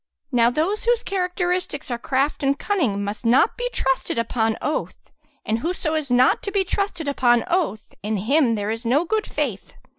Now those whose characteristics are craft and cunning, must not be trusted upon oath; and whoso is not to be trusted upon oath, in him there is no good faith.